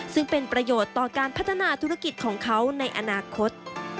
ซึ่งเป็นประโยชน์ต่อการพัฒนาธุรกิจของเขาในอนาคต